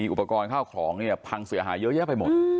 อุปกรณ์ข้าวของเนี่ยพังเสียหายเยอะแยะไปหมด